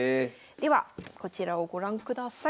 ではこちらをご覧ください。